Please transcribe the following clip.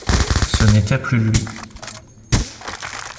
Ce n’était plus lui.